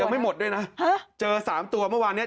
ไม่หมดด้วยนะเจอสามตัวเมื่อวานเนี้ย